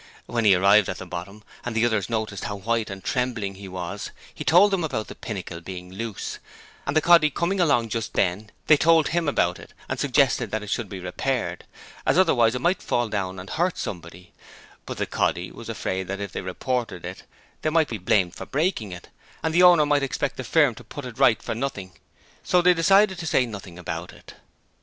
When he arrived at the bottom and the others noticed how white and trembling he was, he told them about the pinnacle being loose, and the 'coddy' coming along just then, they told him about it, and suggested that it should be repaired, as otherwise it might fall down and hurt someone: but the 'coddy' was afraid that if they reported it they might be blamed for breaking it, and the owner might expect the firm to put it right for nothing, so they decided to say nothing about it.